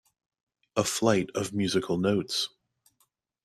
A flight of musical notes.